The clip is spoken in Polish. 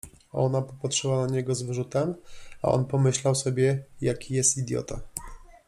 Ona popatrzyła na niego z wyrzutem, a on pomyślał sobie, jaki jest idiota.